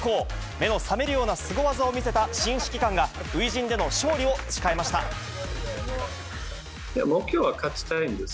目の覚めるようなスゴ技を見せた、新指揮官が初陣での勝利を誓いま目標は勝ちたいんです。